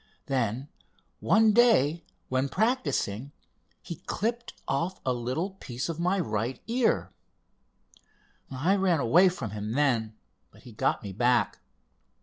Then one day when practicing he clipped off a little piece of my right ear. I ran away from him then, but he got me back.